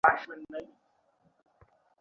নামাজ কালে কাজ মানা।